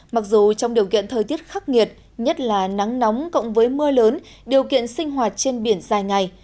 mặc dù trong điều kiện thời tiết khắc nghiệt nhất là nắng nóng cộng với mưa lớn điều kiện sinh hoạt trên biển dài ngày